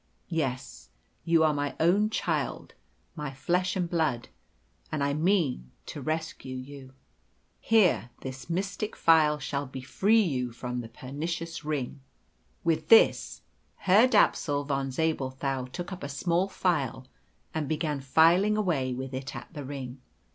Yes, you are my own child, my flesh and blood, and I mean to rescue you. Here, this mystic file shall befree you from the pernicious ring." With this, Herr Dapsul von Zabelthau took up a small file and began filing away with it at the ring.